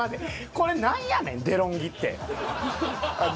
これ何やねん「デロンギ」って。